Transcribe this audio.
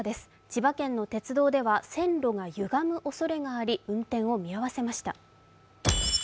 千葉県の鉄道では線路がゆがむおそれがあり運転を見合わせました。